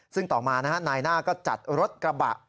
ซึ่งต่อมานายหน้าก็จัดรถกระบะ